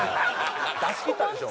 出しきったでしょ。